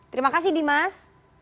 terima kasih dimas